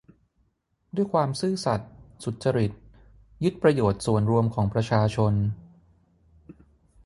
ด้วยความซื่อสัตย์ สุจริต ยึดประโยชน์ส่วนรวมของประชาชน